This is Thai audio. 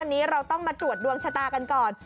วันนี้เราต้องมาตรวจดวงชะตากันก่อน